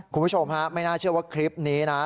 คุณผู้ชมฮะไม่น่าเชื่อว่าคลิปนี้นะ